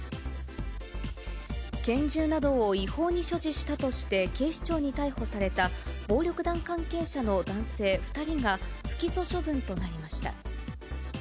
拳銃などを違法に所持したとして、警視庁に逮捕された暴力団関係者の男性２人が不起訴処分となりました。